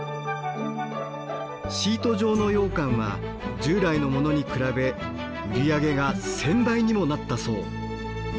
シート状のようかんは従来のものに比べ売り上げが１，０００倍にもなったそう。